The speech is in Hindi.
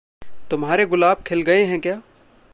तुम्हारे गुलाब खिल गए हैं क्या?